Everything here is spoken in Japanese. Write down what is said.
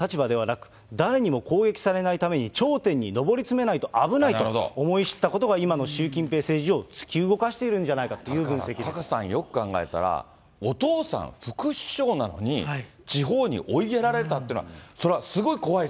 父親のような中途半端な立場ではなく、誰にも攻撃されないために、頂点に上り詰めないと危ないと思い知ったことが、今の習近平政治を突き動かしているんじゃタカさん、よく考えたら、お父さん、副首相なのに、地方に追いやられたってのは、それはすご